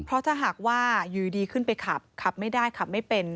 เพราะถ้าหากว่าอยู่ดีขึ้นไปขับขับไม่ได้ขับไม่เป็น